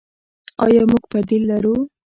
آیا موږ بدیل لرو؟